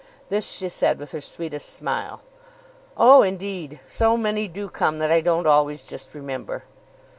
This she said with her sweetest smile. "Oh, indeed. So many do come, that I don't always just remember."